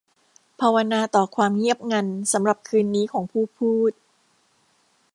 ภาวนาต่อความเงียบงันสำหรับคืนนี้ของผู้พูด